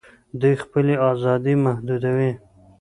دوی خپلي آزادۍ محدودوي